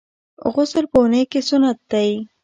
غسل په اونۍ کي سنت دی.